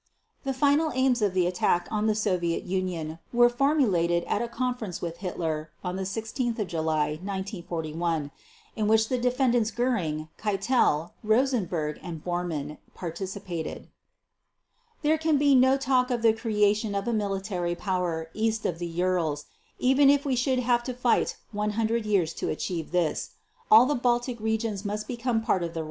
The final aims of the attack on the Soviet Union were formulated at a conference with Hitler on 16 July 1941, in which the Defendants Göring, Keitel, Rosenberg, and Bormann participated: "There can be no talk of the creation of a military power west of the Urals, even if we should have to fight 100 years to achieve this .... All the Baltic regions must become part of the Reich.